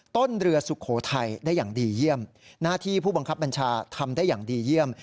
ต้นเรือสุโขทัยได้อย่างดีเยี่ยมหน้าที่ผู้บังคับบัญชาทำได้อย่างดีเยี่ยม